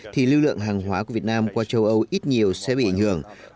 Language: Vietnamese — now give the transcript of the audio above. thì lưu lượng hàng hóa của việt nam qua châu âu ít nhiều sẽ bị ảnh hưởng